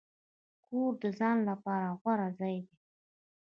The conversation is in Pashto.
کور د ځان لپاره غوره ځای دی.